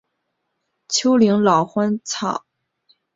丘陵老鹳草为牻牛儿苗科老鹳草属的植物。